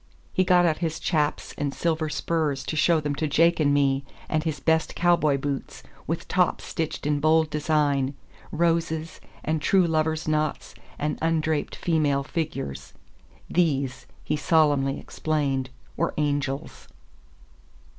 He got out his "chaps" and silver spurs to show them to Jake and me, and his best cowboy boots, with tops stitched in bold design—roses, and true lover's knots, and undraped female figures. These, he solemnly explained, were angels.